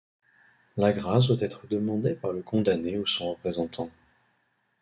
La grâce doit être demandée par le condamné ou son représentant.